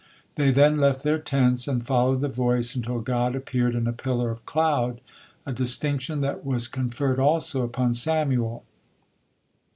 They then left their tents and followed the voice until God appeared in a pillar of cloud, a distinction that was conferred also upon Samuel.